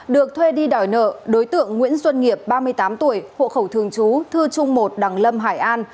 được thuê đi đòi nợ đối tượng nguyễn xuân nghiệp ba mươi tám tuổi hộ khẩu thường chú thư trung một đằng lâm hải an